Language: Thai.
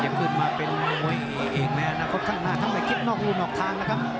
อย่าขึ้นมาเป็นโมยเองแม่นะครับข้างหน้าทำไมคิดนอกรุ่นออกทางนะครับ